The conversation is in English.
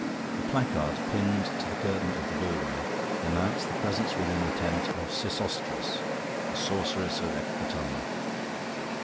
A placard pinned to the curtain of the doorway announced the presence within the tent of "Sesostris, the Sorceress of Ecbatana."